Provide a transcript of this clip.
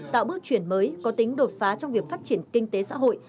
tạo bước chuyển mới có tính đột phá trong việc phát triển kinh tế xã hội